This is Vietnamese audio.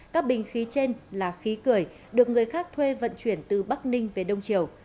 các bình khí trên là khí cười được người khác thuê vận chuyển từ bắc ninh về đông triều